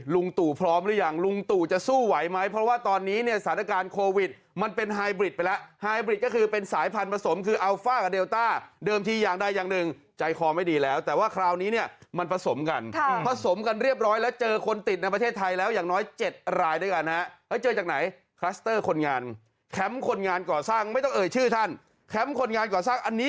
ลุงตู่พร้อมหรือยังลุงตู่จะสู้ไหวไหมเพราะว่าตอนนี้เนี่ยสถานการณ์โควิดมันเป็นไฮบริดไปแล้วไฮบริดก็คือเป็นสายพันธุ์ผสมคืออัลฟ่ากับเดลต้าเดิมที่ยางได้อย่างหนึ่งใจคอไม่ดีแล้วแต่ว่าคราวนี้เนี่ยมันผสมกันผสมกันเรียบร้อยแล้วเจอคนติดในประเทศไทยแล้วอย่างน้อยเจ็ดรายด้วยกัน